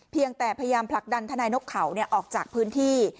เพียงแต่พยายามผลักดันทนายนกเขาออกจากพื้นที่